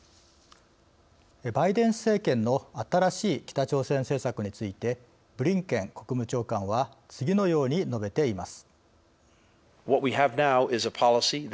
バイデン政権の新しい北朝鮮政策についてブリンケン国務長官は次のように述べています。